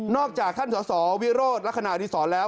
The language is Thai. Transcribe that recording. นอกจากท่านสศวิโรธลักษณะที่สอนแล้ว